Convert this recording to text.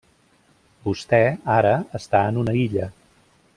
Vostè, ara, està en una illa.